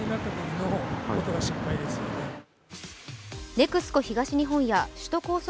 ＮＥＸＣＯ東日本や首都高速